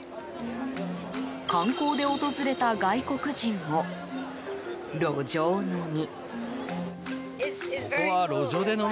観光で訪れた外国人も路上飲み。